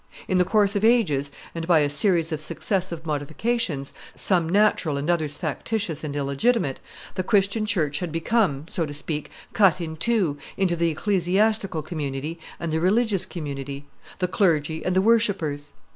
In the course of ages, and by a series of successive modifications, some natural and others factitious and illegitimate, the Christian church had become, so to speak, cut in two, into the ecclesiastical community and the religious community, the clergy and the worshippers.